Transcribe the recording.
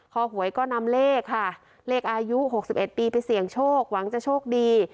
หวยก็นำเลขค่ะเลขอายุ๖๑ปีไปเสี่ยงโชคหวังจะโชคดี